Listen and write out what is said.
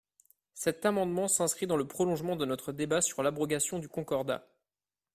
Cet amendement s’inscrit dans le prolongement de notre débat sur l’abrogation du Concordat.